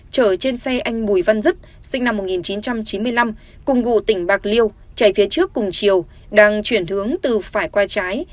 chở trên xe anh bùi văn dứt sinh năm một nghìn chín trăm chín mươi năm cùng ngụ tỉnh bạc liêu chạy phía trước cùng chiều đang chuyển hướng từ phải qua trái